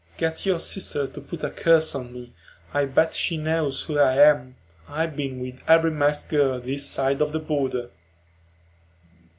"Get your sister to put a curse on me. I bet she knows who I am; I been with every Mex girl this side of the border."